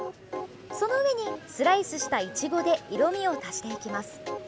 その上にスライスしたいちごで色味を足していきます。